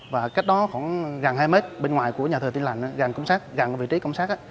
và cách đó khoảng gần hai mét bên ngoài của nhà thờ tiên lành gần vị trí cổng sát